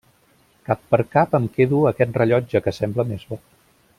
Cap per cap em quedo aquest rellotge que sembla més bo.